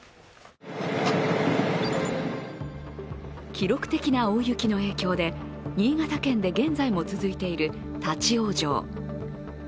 記録的な大雪の影響で新潟県で現在も続いている立往生。